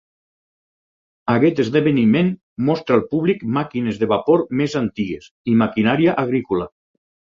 Aquest esdeveniment mostra al públic màquines de vapor més antigues i maquinària agrícola.